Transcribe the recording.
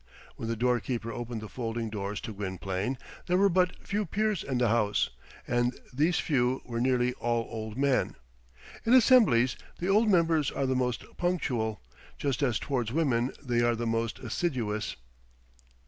When the door keeper opened the folding doors to Gwynplaine there were but few peers in the house; and these few were nearly all old men. In assemblies the old members are the most punctual, just as towards women they are the most assiduous.